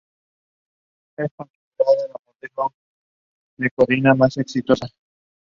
Malye Shady is the nearest rural locality.